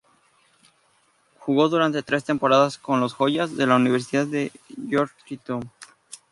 Jugó durante tres temporadas con los "Hoyas" de la Universidad de Georgetown.